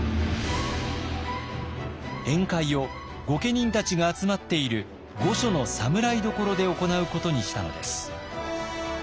宴会を御家人たちが集まっている御所の侍所で行うことにしたのです。